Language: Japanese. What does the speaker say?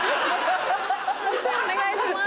判定お願いします。